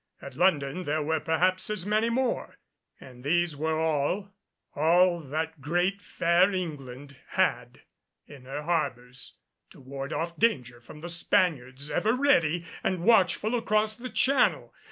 At London there were perhaps as many more, and these were all, all that great fair England had in her harbors to ward off danger from the Spaniards, ever ready and watchful across the channel!